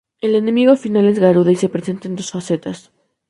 El enemigo final es Garuda y se presenta en dos facetas.